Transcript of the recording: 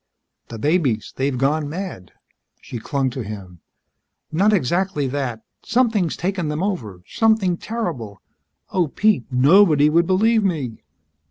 "The babies they've gone mad." She clung to him. "Not exactly that. Something's taken them over. Something terrible. Oh, Pete! Nobody would believe me."